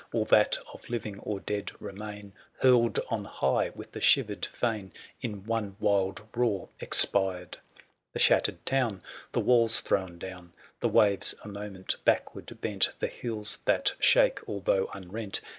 All that of living or dead remain. Hurled on high with the shivered fane^ In one wild roar expired ! 975 The shattered town — the walls thrown down — The waves a moment backward bent — The hills that shake, although unrent.